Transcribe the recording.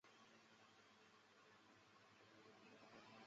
另一个环内的白头海雕并没有为此头戴皇冠。